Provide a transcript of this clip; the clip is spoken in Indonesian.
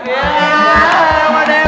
iya sama dewi